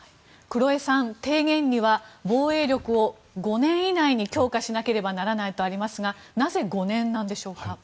黒江さん提言には防衛力を５年以内に強化しなければならないとありますがなぜ５年なんでしょうか。